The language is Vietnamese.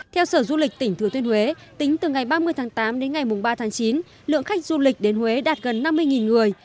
theo sở du lịch tỉnh thừa thiên huế tính từ ngày ba mươi tháng tám đến ngày ba tháng chín lượng khách du lịch đến huế đạt gần năm mươi người